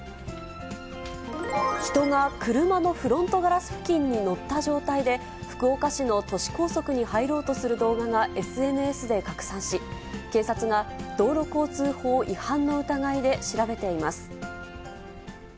人が車のフロントガラス付近に乗った状態で、福岡市の都市高速に入ろうとする動画が、ＳＮＳで拡散し、警察が道路交通法違反の疑いで調べています。